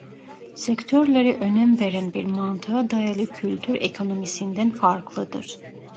Sektörlere önem veren bir mantığa dayalı kültür ekonomisinden farklıdır.